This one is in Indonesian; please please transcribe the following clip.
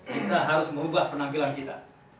kita harus merubah penampilan kita